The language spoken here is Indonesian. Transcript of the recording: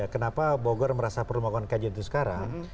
kenapa bogor merasa perlu melakukan kajian itu sekarang